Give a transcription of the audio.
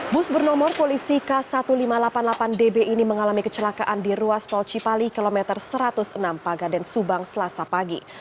bus bernomor polisi k seribu lima ratus delapan puluh delapan db ini mengalami kecelakaan di ruas tol cipali kilometer satu ratus enam pagaden subang selasa pagi